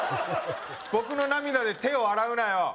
僕の涙で手を洗うなよ